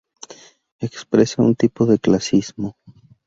Expresa un tipo de clasismo.